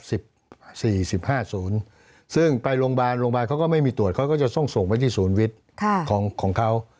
ซึ่งไปโรงพยาบาลโรงพยาบาลเขาก็ไม่มีตรวจเขาก็จะต้องส่งไปที่ศูนย์วิทย์ของของเขา